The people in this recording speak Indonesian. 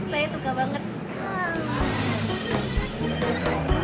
saya suka banget